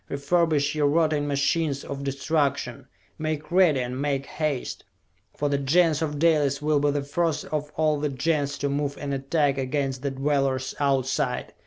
Refurbish your rotting machines of destruction! Make ready, and make haste! For the Gens of Dalis will be the first of all the Gens to move in attack against the Dwellers Outside!